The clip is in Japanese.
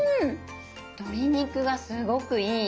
鶏肉がすごくいい。